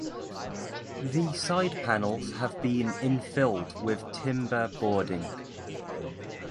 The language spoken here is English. The side panels have been infilled with timber boarding.